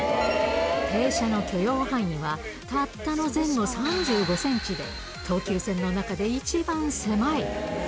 停車の許容範囲は、たったの前後３５センチで、東急線の中で一番狭い。